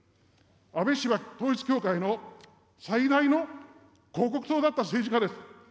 安倍氏は統一教会の最大の広告塔だった政治家です。